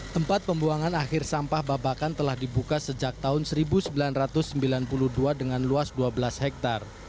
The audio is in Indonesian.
tempat pembuangan akhir sampah babakan telah dibuka sejak tahun seribu sembilan ratus sembilan puluh dua dengan luas dua belas hektare